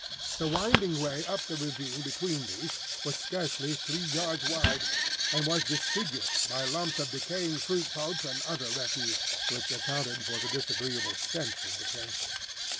The winding way up the ravine between these was scarcely three yards wide, and was disfigured by lumps of decaying fruit pulp and other refuse, which accounted for the disagreeable stench of the place.